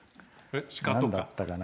なんだったかな。